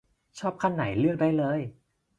ชอบขั้นไหนเลือกได้เลย